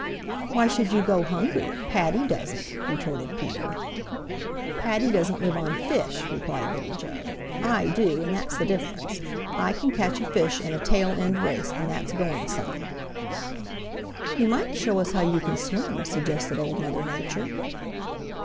"Why should you go hungry? Paddy doesn't," retorted Peter. "Paddy doesn't live on fish," replied Little Joe. "I do and that's the difference. I can catch a fish in a tail end race, and that's going some." "You might show us how you can swim," suggested Old Mother Nature.